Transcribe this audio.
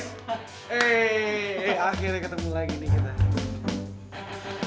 hei akhirnya ketemu lagi nih kita